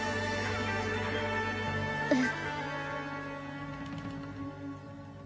うん。